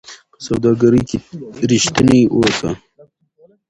په سوداګرۍ کې رښتیني اوسئ.